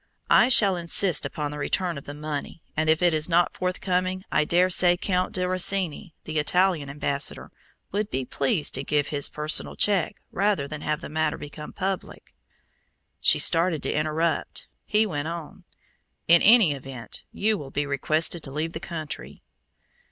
I shall insist upon the return of the money, and if it is not forthcoming I dare say Count di Rosini, the Italian ambassador, would be pleased to give his personal check rather than have the matter become public." She started to interrupt; he went on. "In any event you will be requested to leave the country."